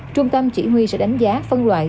trung tâm chỉ huy sẽ đánh giá phân loại